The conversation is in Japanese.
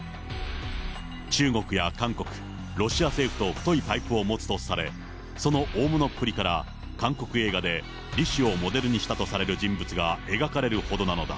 中国や韓国、ロシア政府と太いパイプを持つとされ、その大物っぷりから韓国映画でリ氏をモデルにしたとされる人物が描かれるほどなのだ。